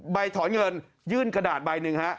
ถอนเงินยื่นกระดาษใบหนึ่งฮะ